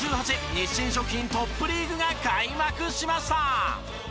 日清食品トップリーグが開幕しました！